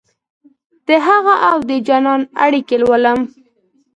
دهغه اودجانان اړیکې لولم